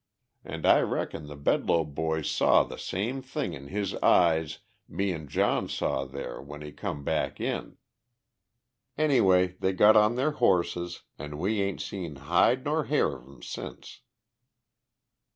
And I reckon the Bedloe boys saw the same thing in his eyes me an' John saw there when he come back in. Anyway, they got on their horses an' we ain't seen hide nor hair of 'em since."